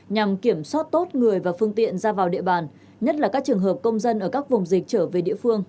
nhằm kiểm soát tốt người và phương tiện ra vào địa bàn nhất là các trường hợp công dân ở các vùng dịch trở về địa phương